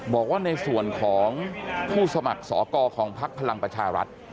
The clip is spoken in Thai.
บอกว่าในส่วนของผู้สมัครสอกรของพักพลังประชารัฐ